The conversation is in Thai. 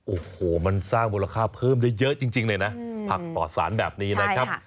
โอ้โหมันสร้างมูลค่าเพิ่มได้เยอะจริงเลยนะผักปลอดสารแบบนี้นะครับ